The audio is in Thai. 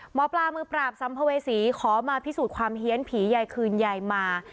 หมอปลามือปราบสัมภเวษีขอมาพิสูจน์ความเฮียนผียายคืนยายมา